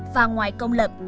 và ngoài công lập